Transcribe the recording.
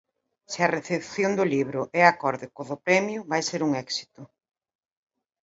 Se a recepción do libro é acorde coa do premio vai ser un éxito.